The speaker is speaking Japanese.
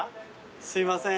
すいません。